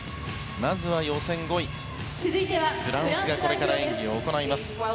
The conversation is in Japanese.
まずは予選５位のフランスがこれから演技を行います。